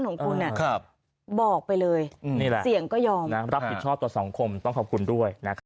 ของคุณแหละครับบอกไปเลยนี่ซียังก็ยอมรับผิดชอบตัวส้องคมต้องขอบคุณด้วยนะคะ